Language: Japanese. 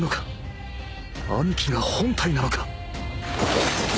兄貴が本体なのか？